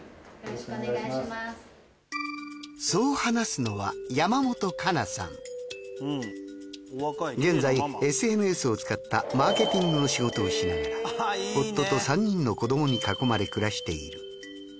そう話すのは現在ＳＮＳを使ったマーケティングの仕事をしながら夫と３人の子どもに囲まれ暮らしている。